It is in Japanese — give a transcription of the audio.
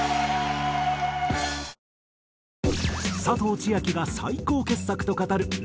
佐藤千亜妃が最高傑作と語る